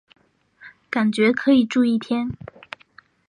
感觉可以住一天